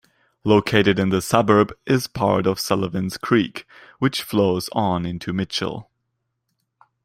Located in the suburb is part of Sullivans Creek, which flows on into Mitchell.